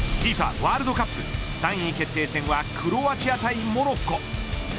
ワールドカップ３位決定戦はクロアチア対モロッコ。